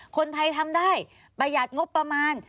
คนไทยทำได้ประหยัดงบประมาณ